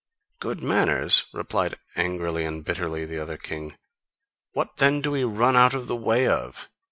"Good manners?" replied angrily and bitterly the other king: "what then do we run out of the way of?